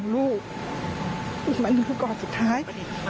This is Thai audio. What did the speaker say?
ลูกจะกอดแม่ทุกวันเลย